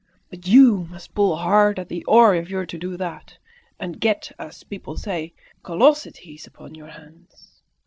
But you must pull hard at the oar if you're to do that, and get, as, people say, callosities upon your hands.